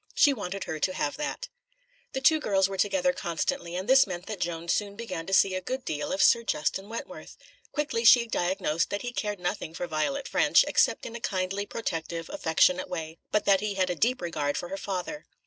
She wanted her to have that. The two girls were together constantly, and this meant that Joan soon began to see a good deal of Sir Justin Wentworth. Quickly she diagnosed that he cared nothing for Violet Ffrench, except in a kindly, protective, affectionate way, but that he had a deep regard for her father.